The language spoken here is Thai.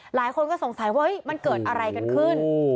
หลายคนก็สงสัยว่ามันเกิดอะไรกันขึ้น